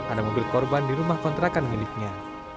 ada mobil korban di rumah kontrakan miliknya